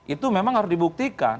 itu memang harus dibuktikan